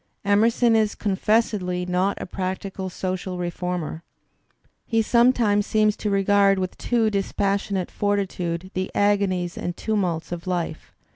Emerson is confessedly not a practical social reformer; he sometimes seems to regard with a too dispassionate fortitude the agonies and tumults of life.